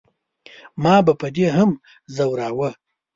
ما به په دې هم زوراوه.